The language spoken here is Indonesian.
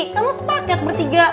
kamu sepakat bertiga